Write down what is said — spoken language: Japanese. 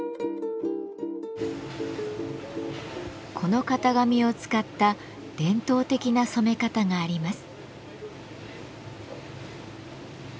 この型紙を使った伝統的な染め方があります。